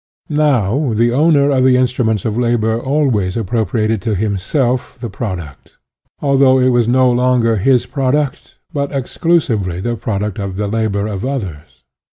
Now the owner of the instruments of labor always appropriated to himself the product, although it was no longer his product but exclusively the product of the labor of others.